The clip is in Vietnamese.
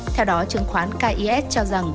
theo đó chứng khoán kis cho rằng